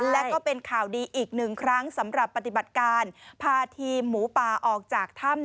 และก็เป็นข่าวดีอีกหนึ่งครั้งสำหรับปฏิบัติการพาทีมหมูป่าออกจากถ้ำ